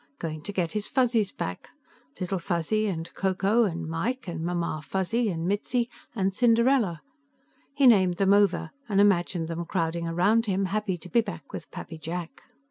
Going to get his Fuzzies back. Little Fuzzy, and Ko Ko, and Mike, and Mamma Fuzzy, and Mitzi, and Cinderella; he named them over and imagined them crowding around him, happy to be back with Pappy Jack.